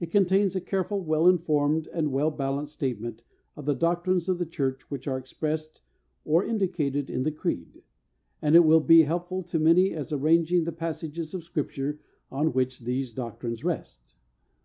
It contains a careful, well informed, and well balanced statement of the doctrines of the Church which are expressed or indicated in the Creed, and it will be helpful to many as arranging the passages of Scripture on which these doctrines rest.